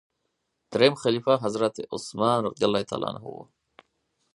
دریم خلیفه حضرت عثمان رض و.